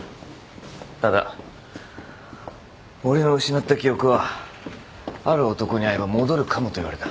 ただ俺の失った記憶はある男に会えば戻るかもと言われた。